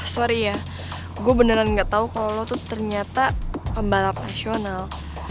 sorry ya gue beneran gak tau kalau lo tuh ternyata pembalap nasional